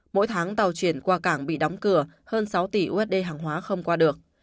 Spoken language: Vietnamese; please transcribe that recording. mỗi tháng tàu chuyển qua cảng bị đóng cửa hơn sáu tỷ usd hàng hóa không qua được